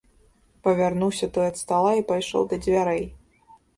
Павярнуўся той ад стала і пайшоў да дзвярэй.